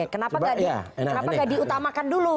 kenapa tidak diutamakan dulu